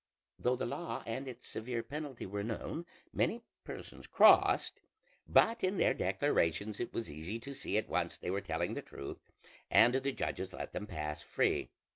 Though the law and its severe penalty were known, many persons crossed; but in their declarations it was easy to see at once they were telling the truth, and the judges let them pass free.